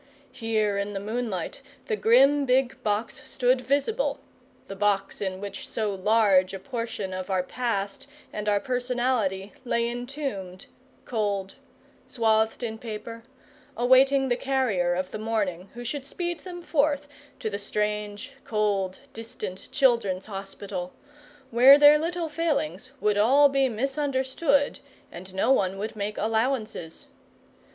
Here in the moonlight the grim big box stood visible the box in which so large a portion of our past and our personality lay entombed, cold, swathed in paper, awaiting the carrier of the morning who should speed them forth to the strange, cold, distant Children's Hospital, where their little failings would all be misunderstood and no one would make allowances.